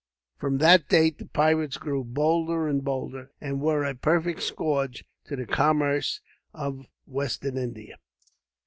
From that date the pirates grew bolder and bolder, and were a perfect scourge to the commerce of Western India.